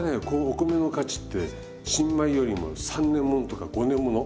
お米の価値って新米よりも３年ものとか５年もの。へ。